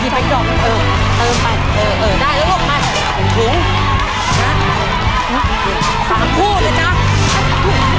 กินเป็นจำกรรม